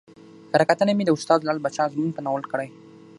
کره کتنه مې د استاد لعل پاچا ازمون په ناول کړى